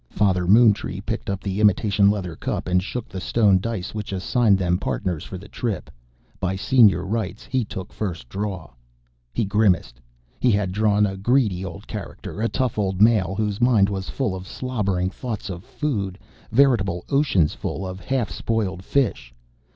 Father Moontree picked up the imitation leather cup and shook the stone dice which assigned them their Partners for the trip. By senior rights, he took first draw. He grimaced. He had drawn a greedy old character, a tough old male whose mind was full of slobbering thoughts of food, veritable oceans full of half spoiled fish.